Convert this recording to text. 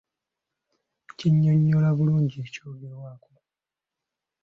Kinnyonnyola bulungi eky'ogerwako?